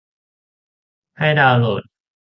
ให้ดาวน์โหลด